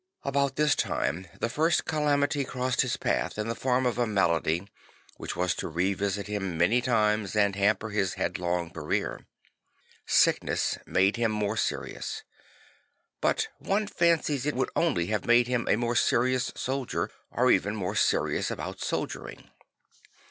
About this time the first calamity crossed his path in the form of a malady which was to revisit him many times and hamper his headlong career. Sickness made him more serious; bu t one fancies it would only have made him a more serious soldier, or even more serious about soldiering.